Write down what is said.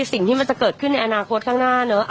สิ่งที่มันจะเกิดขึ้นในอนาคตข้างหน้าเนอะ